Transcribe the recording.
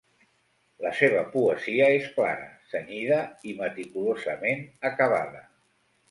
La seva poesia és clara, cenyida i meticulosament acabada.